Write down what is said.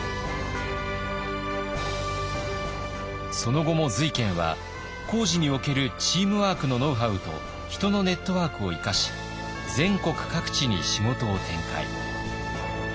その後も瑞賢は工事におけるチームワークのノウハウと人のネットワークを生かし全国各地に仕事を展開。